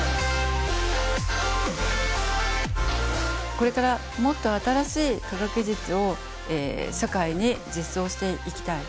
これからもっと新しい科学技術を社会に実装していきたい。